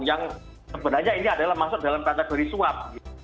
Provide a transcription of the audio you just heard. yang sebenarnya ini adalah masuk dalam kategori suap